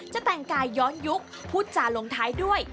จะแต่งกายย้อนยุคพูดจาลงท้ายด้วย